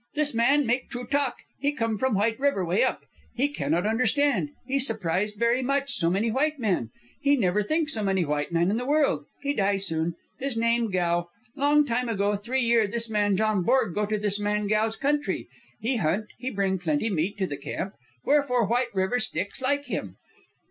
"This man make true talk. He come from White River, way up. He cannot understand. He surprised very much, so many white men. He never think so many white men in the world. He die soon. His name Gow. "Long time ago, three year, this man John Borg go to this man Gow's country. He hunt, he bring plenty meat to the camp, wherefore White River Sticks like him.